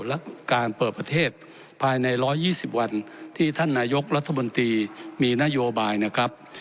และการเปิดประเทศภายใน๑๒๐วันที่ท่านนายกรัฐมนตรีมีนโยบายนะครับ